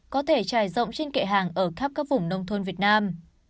có thể trải rộng trên kệ hàng ở khắp các vùng nông thôn việt nam